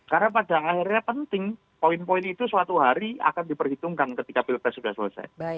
karena pada akhirnya penting poin poin itu suatu hari akan diperhitungkan ketika plt sudah selesai